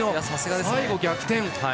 最後逆転。